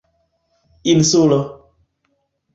insulo